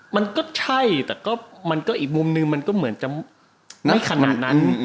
มันก็ใช่แต่ก็มันก็อีกมุมนึงมันก็เหมือนจะไม่ขนาดนั้น